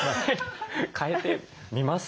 変えてみます。